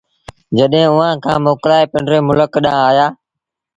جڏهيݩ اُئآݩ کآݩ موڪلآئي پنڊري ملڪ ڏآݩهݩ آيآ